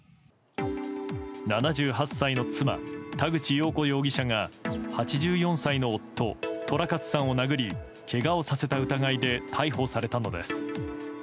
７８歳の妻、田口よう子容疑者が８４歳の夫、寅勝さんを殴りけがをさせた疑いで逮捕されたのです。